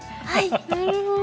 なるほど。